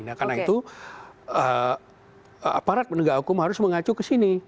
nah karena itu aparat penegak hukum harus mengacu ke sini